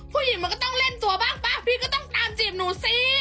ผู้หญิงมันก็ต้องเล่นตัวบ้างป่ะพี่ก็ต้องตามจีบหนูสิ